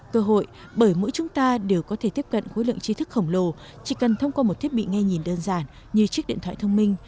cơ hội bởi mỗi chúng ta đều có thể tiếp cận khối lượng trí thức khổng lồ chỉ cần thông qua một thiết bị nghe nhìn đơn giản như chiếc điện thoại thông minh